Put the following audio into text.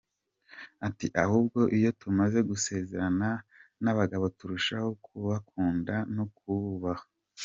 Ati “Ahubwo iyo tumaze gusezerana n’abagabo turushaho kubakunda no kububaha.